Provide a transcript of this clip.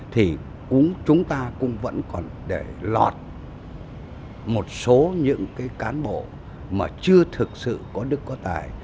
thì chúng ta cũng vẫn còn để lọt một số những cái cán bộ mà chưa thực sự có đức có tài